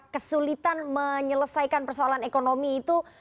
kesulitan menyelesaikan persoalan ekonomi itu